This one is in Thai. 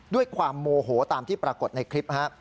ด้วยความโมโหตามที่ปรากฏในคลิปฮะ